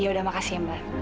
ya udah makasih mbak